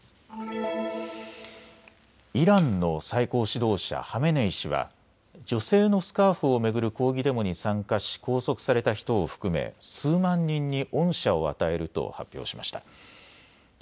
イランの最高指導者、ハメネイ師は女性のスカーフを巡る抗議デモに参加し拘束された人を含め、数万人に恩赦を与えると発表しました。